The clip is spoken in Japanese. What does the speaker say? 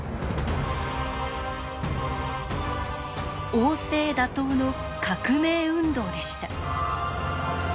王政打倒の革命運動でした。